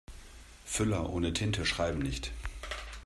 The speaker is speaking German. Füller ohne Tinte schreiben nicht.